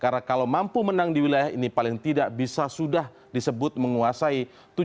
karena kalau mampu menang di wilayah ini paling tidak bisa sudah disebut menguasai